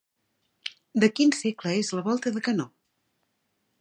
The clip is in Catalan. De quin segle és la volta de canó?